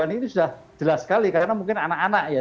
ini sudah jelas sekali karena mungkin anak anak ya